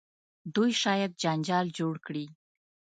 دوی شاید جنجال جوړ کړي.